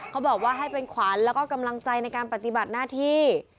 เขาบอกว่าให้เป็นขวัญแล้วก็กำลังใจในการปฏิบัติหน้าที่